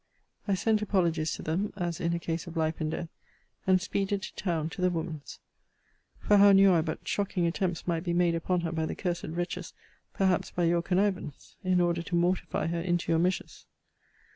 I sent apologies to them, as in a case of life and death; and speeded to town to the woman's: for how knew I but shocking attempts might be made upon her by the cursed wretches: perhaps by your connivance, in order to mortify her into your measures?